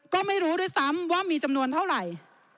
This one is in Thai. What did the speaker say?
ก็ไม่รู้ด้วยซ้ำว่ามีจำนวนเท่าไหร่